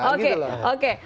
nah gitu loh